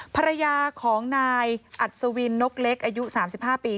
ภรรยาของนายอัศวินนกเล็กอายุ๓๕ปี